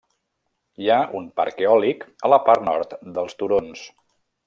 Hi ha un parc eòlic a la part nord dels turons.